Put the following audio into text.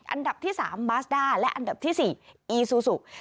อันดับที่๓บาสด้าและอันดับที่๔อีซูซู